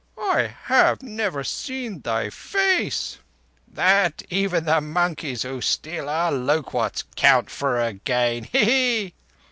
I have never seen thy face—" "That even the monkeys who steal our loquats count for again. Hee! hee!"